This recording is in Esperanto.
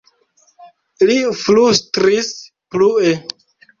li flustris plue.